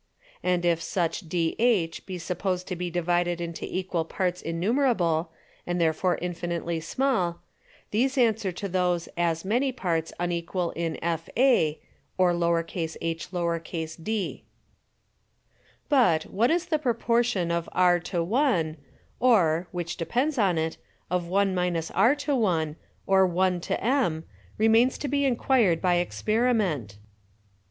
20. And if such DH be supposed to be divided into equal Parts innumerable (and therefore infinitely small;) these answer to those (as many) Parts unequal in FA, or hd. 21. But, what is the Proportion of r to 1, or (which depends on it) of 1 r to 1, or 1 to m; remains to be inquired by Experiment?